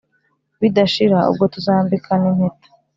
bidashira ubwo tuzambikana impeta"